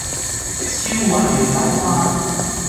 超滑嫩豆花